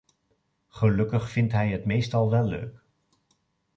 Gelukkig vindt hij het meestal wel leuk.